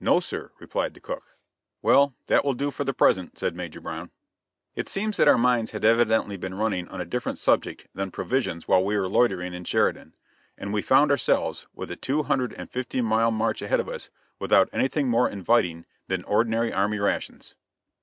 "No, sir," replied the cook. "Well, that will do for the present," said Major Brown. It seems that our minds had evidently been running on a different subject than provisions while we were loitering in Sheridan, and we found ourselves, with a two hundred and fifty mile march ahead of us, without anything more inviting than ordinary army rations.